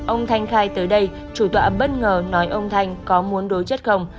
ông thanh khai tới đây chủ tọa bất ngờ nói ông thanh có muốn đối chất không